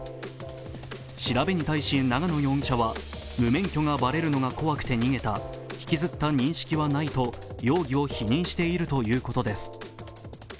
調べに対し永野容疑者は無免許がばれるのが怖くて逃げた、引きずった認識はないと容疑を否認しているということです。